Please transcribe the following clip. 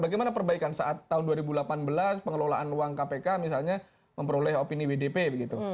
bagaimana perbaikan saat tahun dua ribu delapan belas pengelolaan uang kpk misalnya memperoleh opini wdp begitu